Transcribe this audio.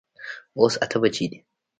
اوس اته بجي دي